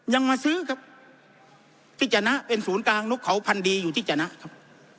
มาซื้อครับที่จนะเป็นศูนย์กลางนกเขาพันดีอยู่ที่จะนะครับ